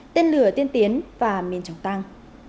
tên lửa tiên tiến và miền trọng tăng